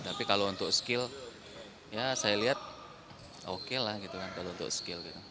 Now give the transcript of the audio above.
tapi kalau untuk skill ya saya lihat oke lah gitu kan kalau untuk skill gitu